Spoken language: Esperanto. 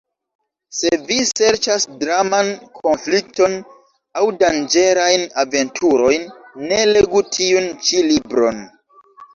Se vi serĉas draman konflikton aŭ danĝerajn aventurojn, ne legu tiun ĉi libron.